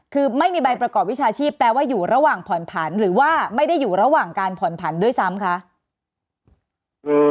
คือไม่มีใบประกอบวิชาชีพแปลว่าอยู่ระหว่างผ่อนผันหรือว่าไม่ได้อยู่ระหว่างการผ่อนผันด้วยซ้ำคะ